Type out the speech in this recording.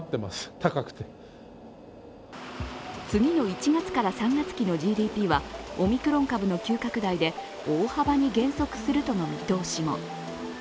次の１月から３月期のＧＤＰはオミクロン株の急拡大で大幅に減速するとの見通しも。